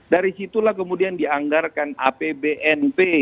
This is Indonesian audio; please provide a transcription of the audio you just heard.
dari situlah kemudian dianggarkan apbnp